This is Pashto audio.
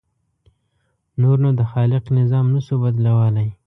نور نو د خالق نظام نه شو بدلولی.